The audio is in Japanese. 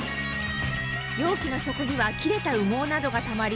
容器の底には切れた羽毛などがたまり